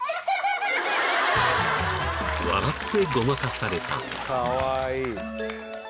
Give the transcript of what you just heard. ［笑ってごまかされた］